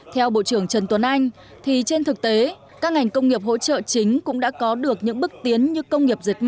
theo bộ trưởng trần tuấn anh thì trên thực tế các ngành công nghiệp hỗ trợ chính cũng đã có được những bước tiến như công nghiệp dệt may